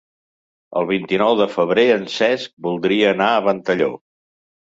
El vint-i-nou de febrer en Cesc voldria anar a Ventalló.